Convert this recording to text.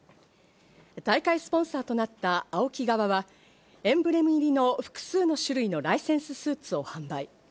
大会スポンサーとなったＡＯＫＩ側はエンブレム入りの複数の種類のライセンススーツを販売。